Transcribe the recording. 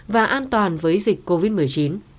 và an toàn với dịch covid một mươi chín